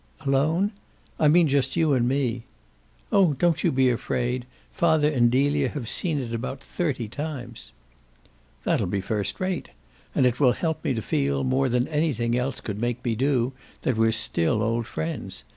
"Alone?" "I mean just you and me." "Oh don't you be afraid! Father and Delia have seen it about thirty times." "That'll be first rate. And it will help me to feel, more than anything else could make me do, that we're still old friends.